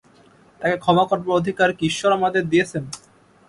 তাকে ক্ষমা করবার অধিকার কি ঈশ্বর আমাদের দিয়েছেন?